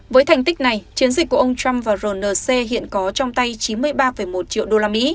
với thành tích này chiến dịch của ông trump và rnc hiện có trong tay chín mươi ba một triệu usd